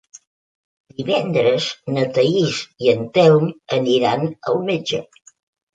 Divendres na Thaís i en Telm aniran al metge.